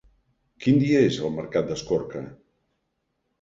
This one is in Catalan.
Quin dia és el mercat d'Escorca?